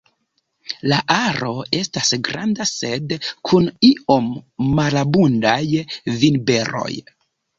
La aro estas granda sed kun iom malabundaj vinberoj.